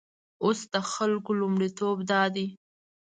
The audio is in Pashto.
اوس د خلکو لومړیتوب دادی.